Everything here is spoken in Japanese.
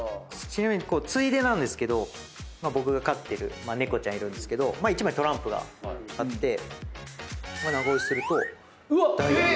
ついでなんですけど僕が飼ってる猫ちゃんいるんですけど１枚トランプがあって長押しするとダイヤの１０。